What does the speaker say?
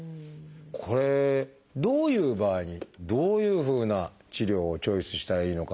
これどういう場合にどういうふうな治療をチョイスしたらいいのか。